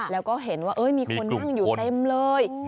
แล้วก็เห็นว่ามีคนนั่งอยู่เต็มเลย